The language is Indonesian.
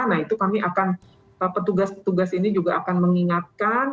nah itu kami akan petugas petugas ini juga akan mengingatkan